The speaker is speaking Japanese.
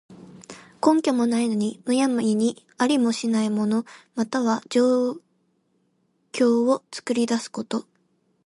根拠もないのに、むやみにありもしない物、または情況を作り出すこと。